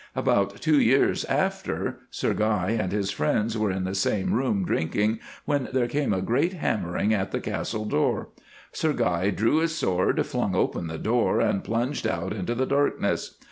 "About two years after, Sir Guy and his friends were in the same room drinking when there came a great hammering at the Castle door. Sir Guy drew his sword, flung open the door, and plunged out into the darkness.